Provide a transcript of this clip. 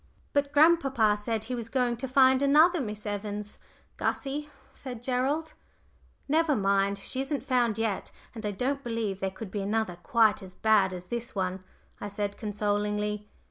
"But grandpapa said he was going to find another Miss Evans, Gussie," said Gerald. "Never mind. She isn't found yet; and I don't believe there could be another quite as bad as this one," I said, consolingly.